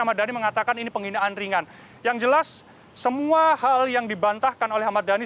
ahmad dhani mengatakan ini penghinaan ringan yang jelas semua hal yang dibantahkan oleh ahmad dhani